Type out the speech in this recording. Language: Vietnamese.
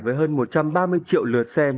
với hơn một trăm ba mươi triệu lượt xem